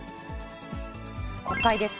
国会です。